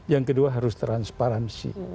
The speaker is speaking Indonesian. yang kedua harus transparansi